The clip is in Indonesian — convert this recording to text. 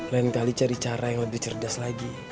lain kali cari cara yang lebih cerdas lagi